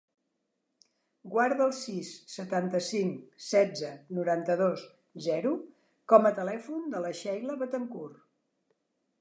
Guarda el sis, setanta-cinc, setze, noranta-dos, zero com a telèfon de la Sheila Betancourt.